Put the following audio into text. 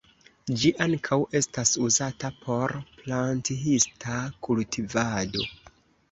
Ĝi ankaŭ estas uzata por planthista kultivado.